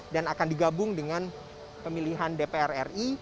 dan akan digabung dengan pemilihan dpr ri